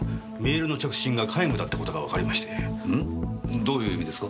どういう意味ですか？